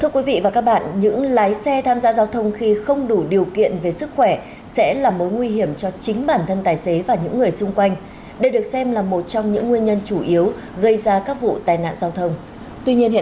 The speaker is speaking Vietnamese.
các bạn hãy đăng ký kênh để ủng hộ kênh của chúng mình nhé